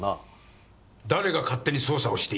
誰が勝手に捜査をしていいと言った。